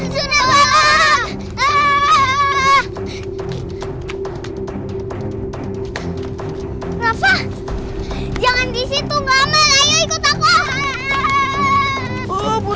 rafa jangan disitu kamu ikut aku